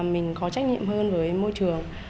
mình có trách nhiệm hơn với môi trường